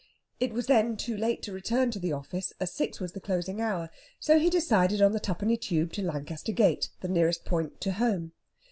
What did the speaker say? It was then too late to return to the office, as six was the closing hour; so he decided on the Twopenny Tube to Lancaster Gate, the nearest point to home.